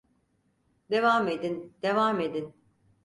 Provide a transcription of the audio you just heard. Devam edin, devam edin.